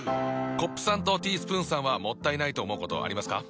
コップさんとティースプーンさんはもったいないと思うことありますか？